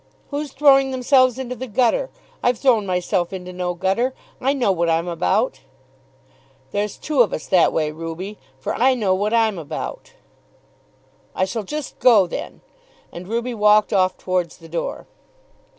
"Who's throwing themselves into the gutter? I've thrown myself into no gutter. I know what I'm about." "There's two of us that way, Ruby; for I know what I'm about." "I shall just go then." And Ruby walked off towards the door.